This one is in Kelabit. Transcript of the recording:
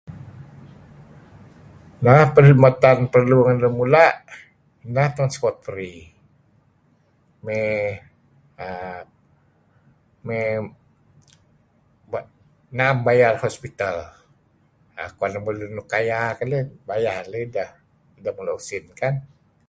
Nah teh perhidmatan perlu lun mula' inan transport free may uhm naem bayar hospital. Kuan lemulun nuk kaya keleh bayar lah ideh lun inan usin kan?